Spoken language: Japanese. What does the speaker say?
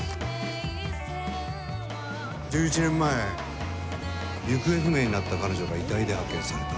１１年前行方不明になった彼女が遺体で発見された。